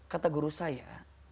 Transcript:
kata guru saya